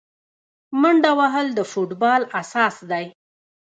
منډه وهل د فوټبال اساس دی.